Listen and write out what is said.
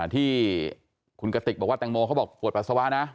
ที่คุณกติกบอกว่าแตงโมเขาบอกปวดปัสสาวะนะ